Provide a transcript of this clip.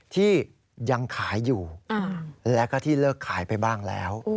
ที่ยังขายอยู่แล้วก็ที่เลิกขายไปบ้างแล้ว